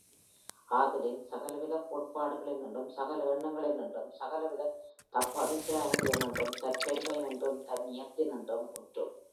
ஆதலின் சகலவித கோட்பாடுகளினின்றும் சகல எண்ணங்களினின்றும் சகலவித தப்பபிப்பராயங்களினின்றும் தற்பெருமையினின்றும் தன்னயத்தினின்றும் முற்றும் நீங்கியுள்ளவர் என்று அறிந்து கூறுவீர்களாக.